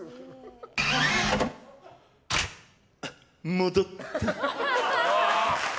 戻った。